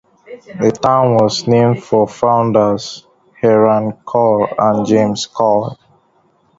The town was named for founders Hiram Cole and James Cole.